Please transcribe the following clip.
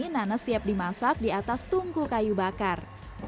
nanas siap dimasak di atas tungku kayu bakar